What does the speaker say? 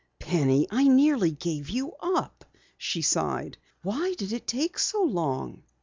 "Penny, I nearly gave you up," she sighed. "Why did it take so long?"